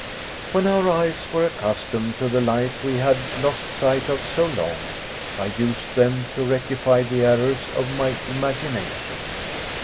When our eyes were accustomed to the light we had lost sight of so long, I used them to rectify the errors of my imagination.